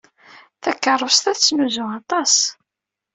Takeṛṛust-a tettnuzu aṭas.